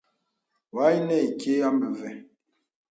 Wɔ̄ a yìaŋə ìkì a mə ve.